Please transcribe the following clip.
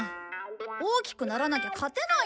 大きくならなきゃ勝てないんだよ。